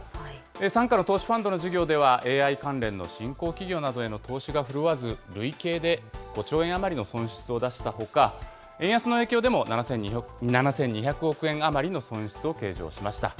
傘下の投資ファンドの事業では、ＡＩ関連の新興企業などへの投資が振るわず、累計で５兆円余りの損失を出したほか、円安の影響でも７２００億円余りの損失を計上しました。